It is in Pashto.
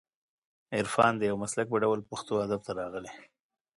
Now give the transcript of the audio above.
عرفان د یو مسلک په ډول پښتو ادب ته راغلی